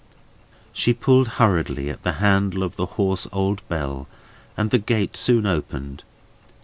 She pulled hurriedly at the handle of the hoarse old bell, and the gate soon opened.